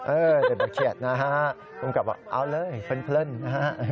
เออไม่เครียดนะฮะผมก็บอกเอาเลยเพลินนะฮะ